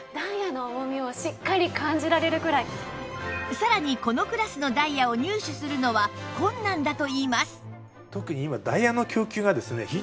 さらにこのクラスのダイヤを入手するのは困難だといいます